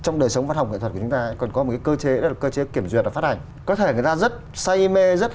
người ta không